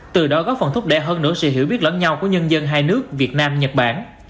từ đó góp phần thúc đeo hơn nữa sự hiểu biết lớn nhau của nhân dân hai nước việt nam nhật bản